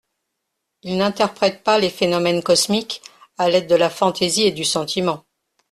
Il n'interprète pas les phénomènes cosmiques à l'aide de la fantaisie et du sentiment.